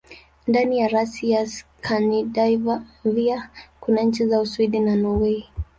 Ndani ya rasi ya Skandinavia kuna nchi za Uswidi na Norwei.